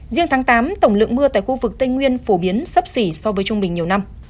riêng tháng tám tổng lượng mưa tại khu vực tây nguyên phổ biến sấp xỉ so với trung bình nhiều năm